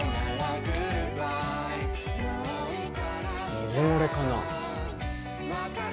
水漏れかな？